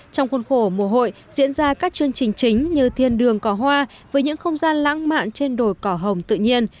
trong khuôn khổ mùa hội diễn ra các chương trình chính như thiên đường cỏ hoa với những không gian lãng mạn trên đồi cỏ hồng tự nhiên